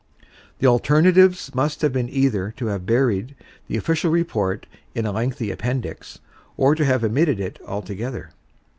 The alternatives must have been either to have buried the Official Report in a lengthy Appendix, or to have omitted it altogether.